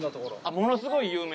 ものすごい有名。